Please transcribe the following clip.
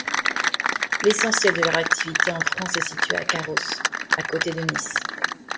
L'essentiel de leur activité en France est située à Carros à côté de Nice.